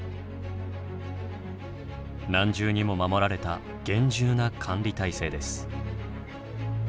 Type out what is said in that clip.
何重にも守られた厳重な管理体制です。